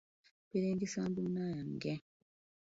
Mpiringisa mboona yange.